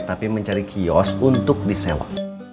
tapi mencari kios untuk disewa